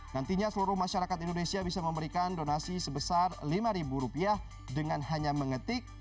nantinya seluruh masyarakat indonesia bisa memberikan donasi sebesar lima rupiah dengan hanya mengetik